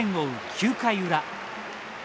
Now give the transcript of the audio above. ９回裏。